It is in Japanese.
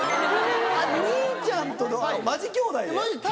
あっ兄ちゃんとマジ兄弟で？